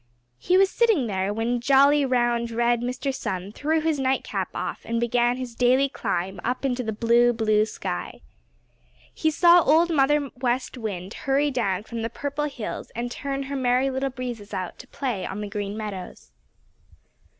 He was sitting there when jolly, round, red Mr. Sun threw his nightcap off and began his daily climb up into the blue, blue sky. He saw Old Mother West Wind hurry down from the Purple Hills and turn her Merry Little Breezes out to play on the Green Meadows.